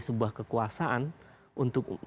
sebuah kekuasaan untuk